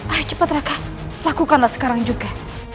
ah cepat raka lakukanlah sekarang juga